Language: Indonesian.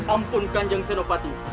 ampun kan cempati